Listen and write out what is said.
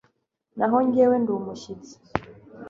naho njyewe ndi umushyitsi